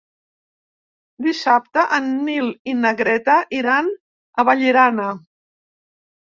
Dissabte en Nil i na Greta iran a Vallirana.